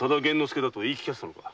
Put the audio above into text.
介だと言い聞かせたのか？